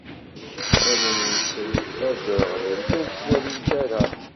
Allen-nsen ad dreɣlent, ur ttwalint ara.